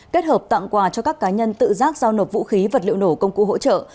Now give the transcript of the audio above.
kết hợp tặng quà cho các cá nhân tự giác giao nộp vũ khí vật liệu nổ công cụ hỗ trợ